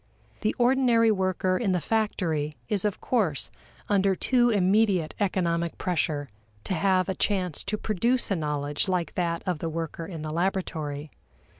The ordinary worker in the factory is of course under too immediate economic pressure to have a chance to produce a knowledge like that of the worker in the laboratory.